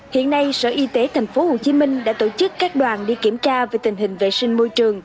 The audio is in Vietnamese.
hiện nay sở y tế thành phố hồ chí minh đã tổ chức các đoàn đi kiểm tra về tình hình vệ sinh môi trường